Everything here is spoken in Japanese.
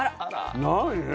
何？